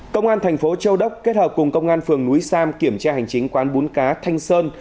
công an thành phố châu đốc kết hợp cùng công an phường núi sam kiểm tra hành chính quán bún cá thanh sơn